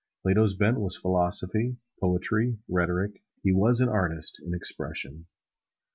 Plato's bent was philosophy, poetry, rhetoric he was an artist in expression.